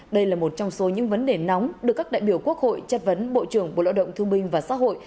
đây là một trong số những vấn đề nóng được các đại biểu quốc hội chất vấn bộ trưởng bộ lao động thương minh và xã hội